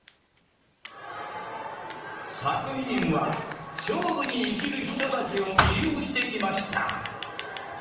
作品は、勝負に生きる人たちを魅了してきました。